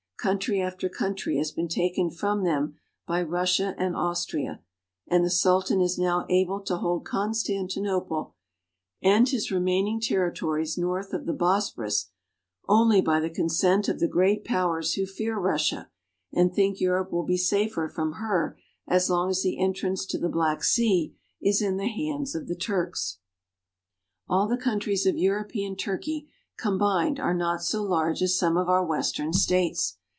Country after country has been taken from them by Russia and Austria, and the Sultan is now able to hold Constantinople, and his re maining territories north of the Bosporus, only by the consent of the great powers who fear Russia, and think Europe will be safer from her as long as the entrance to the Black Sea is in the hands of the Turks. All the countries of European Turkey combined are not so large as some of our Western states.